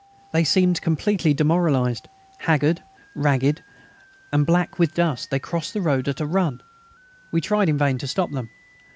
They seemed completely demoralised. Haggard, ragged, and black with dust, they crossed the road at a run. We tried in vain to stop them.